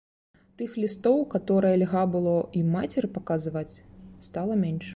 Тых лістоў, каторыя льга было й мацеры паказваць, стала менш.